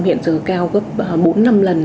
hiện giờ cao gấp bốn năm lần